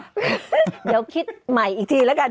เดี๋ยวคิดใหม่อีกทีแล้วกัน